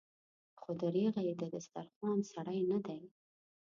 خو دريغه چې د دسترخوان سړی نه دی.